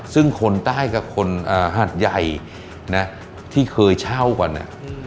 ซึ่งคนใต้กับคนหาดใหญ่นะที่เคยเช่าก่อน